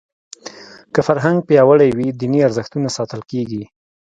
که فرهنګ پیاوړی وي دیني ارزښتونه ساتل کېږي.